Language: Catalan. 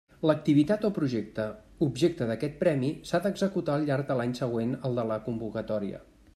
L'activitat o projecte objecte d'aquest premi s'ha d'executar al llarg de l'any següent al de la convocatòria.